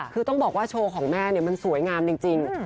คือต้องบอกว่าโชว์ของแม่มันสวยงามจริง